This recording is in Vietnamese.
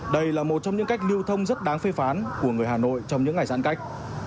đây là một trong những cách lưu thông rất đáng phê phán của người hà nội trong những ngày giãn cách